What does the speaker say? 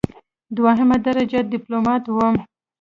دوهمه درجه ډیپلوماټ وم.